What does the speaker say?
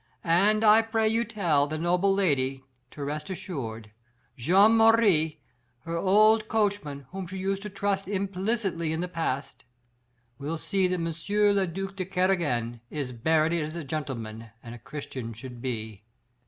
"Then I pray you tell the noble lady to rest assured. Jean Marie her old coachman whom she used to trust implicitly in the past will see that M. le duc de Kernogan is buried as a gentleman and a Christian should be."